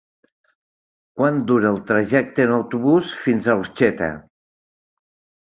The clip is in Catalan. Quant dura el trajecte en autobús fins a Orxeta?